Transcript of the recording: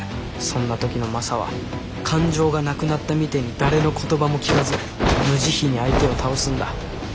そんな時のマサは感情がなくなったみてえに誰の言葉も聞かず無慈悲に相手を倒すんだ。